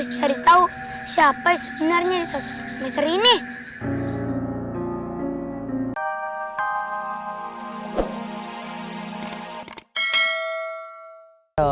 cari tahu siapa sebenarnya sosok misteri ini